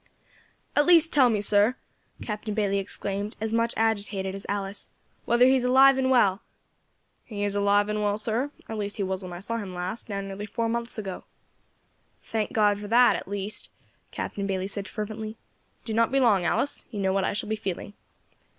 "At least tell me, sir," Captain Bayley exclaimed, as much agitated as Alice, "whether he is alive and well." "He is alive and well, sir at least he was when I saw him last, now nearly four months ago." "Thank God for that, at least," Captain Bayley said fervently. "Do not be long, Alice; you know what I shall be feeling."